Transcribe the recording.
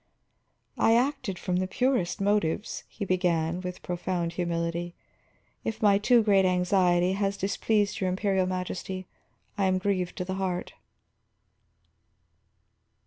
"I acted from the purest motives," he began, with profound humility. "If my too great anxiety has displeased your Imperial Majesty, I am grieved to the heart."